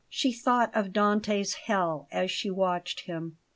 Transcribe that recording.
She thought of Dante's hell as she watched him.